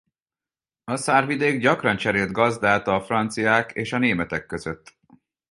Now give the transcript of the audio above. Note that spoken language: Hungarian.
A Saar-vidék gyakran cserélt gazdát a franciák és a németek között.